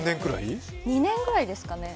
２年ぐらいですかね。